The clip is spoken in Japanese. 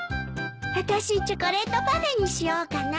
あたしチョコレートパフェにしようかな。